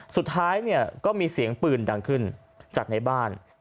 สุดท้ายเนี่ยก็มีเสียงปืนดังขึ้นจากในบ้าน